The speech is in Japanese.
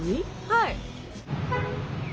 はい。